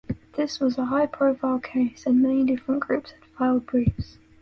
This was a high-profile case, and many different groups had filed briefs.